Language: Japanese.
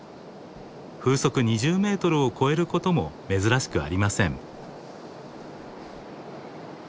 風速２０メートルを超えることも珍しくありません。